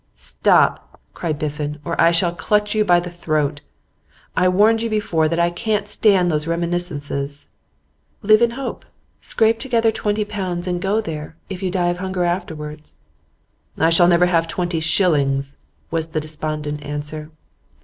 'Stop!' cried Biffen, 'or I shall clutch you by the throat. I warned you before that I can't stand those reminiscences.' 'Live in hope. Scrape together twenty pounds, and go there, if you die of hunger afterwards.' 'I shall never have twenty shillings,' was the despondent answer.